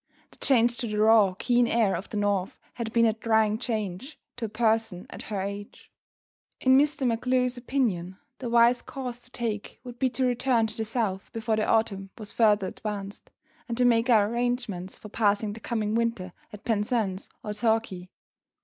The change to the raw, keen air of the North had been a trying change to a person at her age. In Mr. MacGlue's opinion, the wise course to take would be to return to the South before the autumn was further advanced, and to make our arrangements for passing the coming winter at Penzance or Torquay.